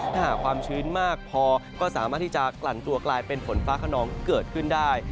ถ้าหากความชื้นมากพอก็สามารถที่จะกลั่นตัวกลายเป็นฝนฟ้าขนองเกิดขึ้นได้